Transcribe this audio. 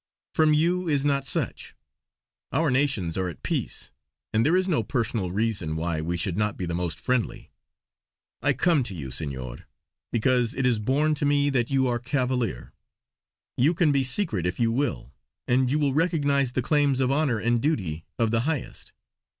From you is not such. Our nations are at peace, and there is no personal reason why we should not be of the most friendly. I come to you, Senor, because it is borne to me that you are cavalier. You can be secret if you will, and you will recognise the claims of honour and duty, of the highest.